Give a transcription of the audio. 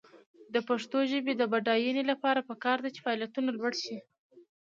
د پښتو ژبې د بډاینې لپاره پکار ده چې فعالیتونه لوړ شي.